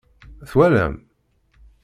Twalam?